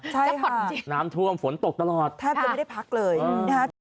ใช่ค่ะน้ำท่วมฝนตกตลอดแทบจะไม่ได้พักเลยเออ